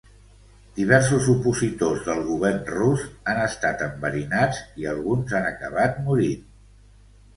Diversos opositors del govern rus han estat enverinats, i alguns han acabat morint.